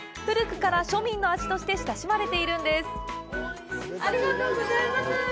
古くから庶民の味として親しまれているんです。